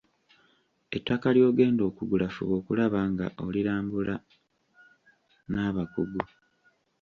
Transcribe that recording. Ettaka ly'ogenda okugula fuba okulaba nga olirambula n’abakugu.